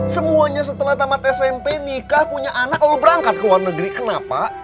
semuanya setelah tamat smp nikah punya anak kalau berangkat ke luar negeri kenapa